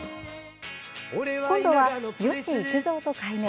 今度は、吉幾三と改名。